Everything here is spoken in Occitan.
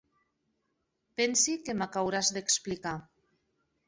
Pensi que m'ac auràs d'explicar.